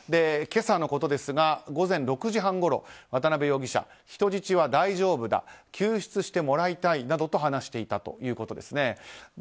今朝のことですが午前６時半ごろ渡辺容疑者、人質は大丈夫だ救出してもらいたいなどと話していたということですね。